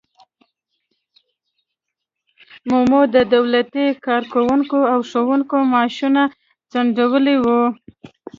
مومو د دولتي کارکوونکو او ښوونکو معاشونه ځنډولي وو.